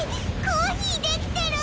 コーヒーできてる！